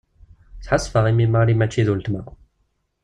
Sḥassfeɣ imi Mary mačči d uletma.